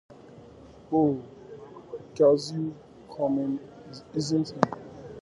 Oh, Gussie's coming, is he?